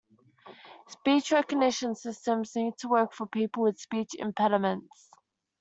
Speech recognition systems need to work for people with speech impediments.